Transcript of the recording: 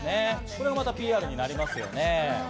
これまた、ＰＲになりますよね。